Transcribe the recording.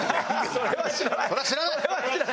「それは知らない」。